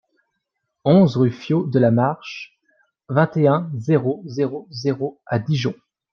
onze rue Fyot de la Marche, vingt et un, zéro zéro zéro à Dijon